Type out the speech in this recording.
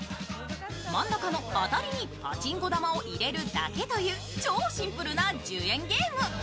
真ん中のアタリにパチンコ玉を入れるだけという超シンプルな１０円ゲーム。